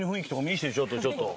ちょっとちょっと。